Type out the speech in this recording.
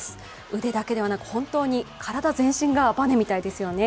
腕だけではなく、本当に体全身がバネみたいですよね。